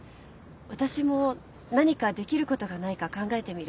私も何かできることがないか考えてみる。